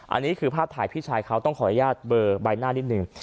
อันนี้คือภาพถ่ายพี่ชายเขาต้องขออนุญาตเบอร์ใบหน้านิดหนึ่ง